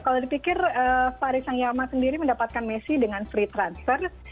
kalau dipikir paris saint germain sendiri mendapatkan messi dengan free transfer